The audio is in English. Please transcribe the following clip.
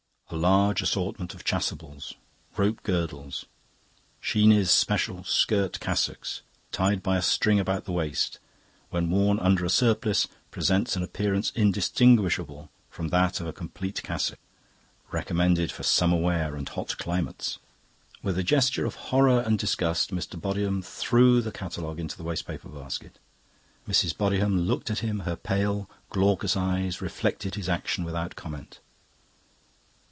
"A large assortment of chasubles. "Rope girdles. "Sheeny's Special Skirt Cassocks. Tied by a string about the waist...When worn under a surplice presents an appearance indistinguishable from that of a complete cassock...Recommended for summer wear and hot climates." With a gesture of horror and disgust Mr. Bodiham threw the catalogue into the waste paper basket. Mrs. Bodiham looked at him; her pale, glaucous eyes reflected his action without comment.